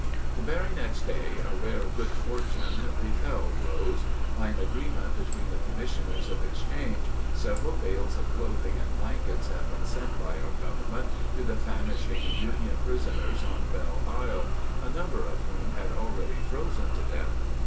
The very next day a rare good fortune befell Rose. By an agreement between the commissioners of exchange, several bales of clothing and blankets had been sent by our government to the famishing Union prisoners on Belle Isle, a number of whom had already frozen to death.